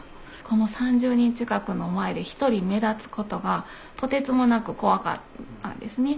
この３０人近くの前で１人目立つことがとてつもなく怖かったんですね。